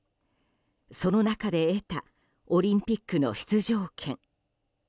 その中で得たオリンピックの出場権。